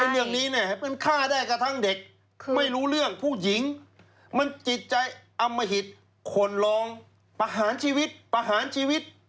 เรื่องนี้เนี่ยมันฆ่าได้กระทั่งเด็กไม่รู้เรื่องผู้หญิงมันจิตใจอำมหิตคนรองประหารชีวิตประหารชีวิต